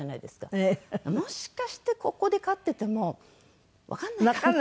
もしかしてここで飼っててもわかんないかな。